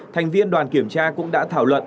thành viên đoàn kiểm tra cũng đã thảo luận